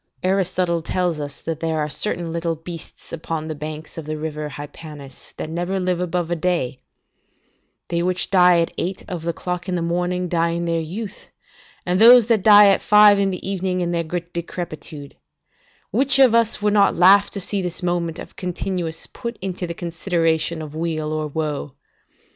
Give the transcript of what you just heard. Aristotle tells us that there are certain little beasts upon the banks of the river Hypanis, that never live above a day: they which die at eight of the clock in the morning, die in their youth, and those that die at five in the evening, in their decrepitude: which of us would not laugh to see this moment of continuance put into the consideration of weal or woe?